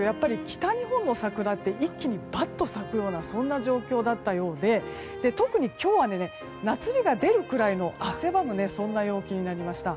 北日本の桜って一気にばっと咲くような状況だったようで特に今日は夏日が出るくらいの汗ばむ陽気になりました。